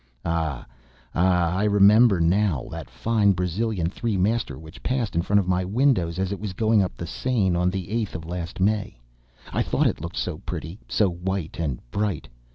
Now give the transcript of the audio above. Ah! Ah! I remember now that fine Brazilian three master which passed in front of my windows as it was going up the Seine, on the 8th of last May! I thought it looked so pretty, so white and bright!